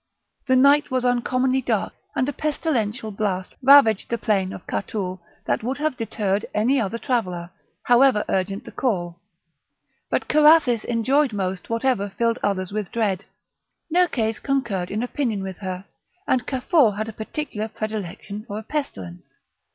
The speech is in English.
The night was uncommonly dark, and a pestilential blast ravaged the plain of Catoul that would have deterred any other traveller, however urgent the call; but Carathis enjoyed most whatever filled others with dread. Nerkes concurred in opinion with her, and Cafour had a particular predilection for a pestilence.